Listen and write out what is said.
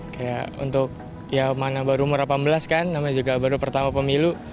kayak untuk ya mana baru umur delapan belas kan namanya juga baru pertama pemilu